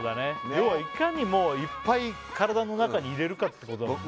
要はいかにいっぱい体の中に入れるかってことだもんね